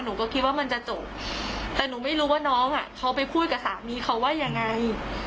หนูก็คิดว่ามันจะจบแต่หนูไม่รู้ว่าน้องอ่ะเขาไปพูดกับสามีเขาว่ายังไง